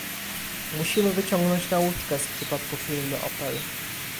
Musimy wyciągnąć nauczkę z przypadku firmy Opel